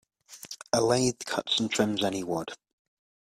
A lathe cuts and trims any wood.